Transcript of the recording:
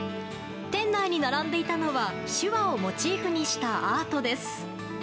店内に並んでいたのは手話をモチーフにしたアートです。